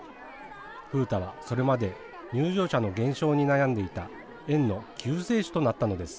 風太は、それまで入場者の減少に悩んでいた園の救世主となったのです。